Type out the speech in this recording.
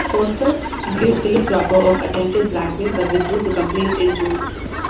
Foster accused Philip Cropper of attempted blackmail, but withdrew the complaints in June.